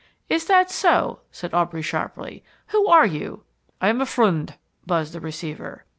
"Is that so?" said Aubrey sharply. "Who are you?" "I am a friend," buzzed the receiver.